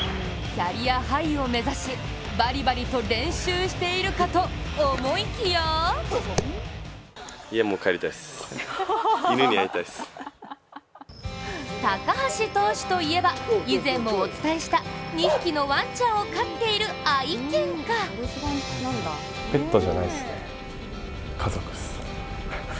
キャリアハイを目指し、バリバリと練習しているかと思いきや高橋投手といえば、以前もお伝えした２匹のワンちゃんを飼っている愛犬家。